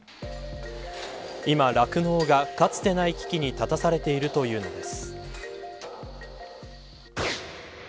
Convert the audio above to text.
今、酪農がかつてない危機に立たされているというのです。